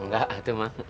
enggak atu mah